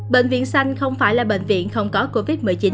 bệnh viện xanh không phải là bệnh viện không có covid một mươi chín